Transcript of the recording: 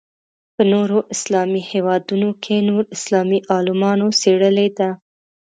په نورو اسلامي هېوادونو کې نور اسلامي عالمانو څېړلې ده.